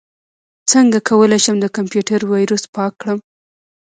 څنګه کولی شم د کمپیوټر ویروس پاک کړم